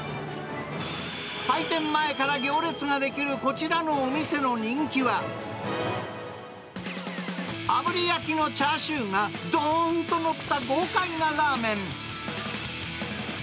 開店前から行列が出来るこちらのお店の人気は、あぶり焼きのチャーシューがどーんと載った豪快なラーメン。